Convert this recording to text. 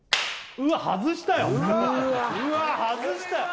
うわ外したよ